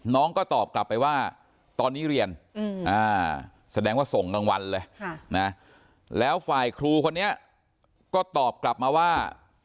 น้องก็ตอบกลับไปว่าตอนนี้เรียนแสดงว่าส่งกลางวันเลยนะแล้วฝ่ายครูคนนี้ก็ตอบกลับมาว่า